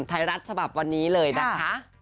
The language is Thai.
ไทยรัฐฉบับวันนี้เลยนะคะ